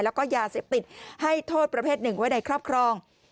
แล้วก็ยาเสพติดให้โทษประเภทหนึ่งไว้ในครอบครอง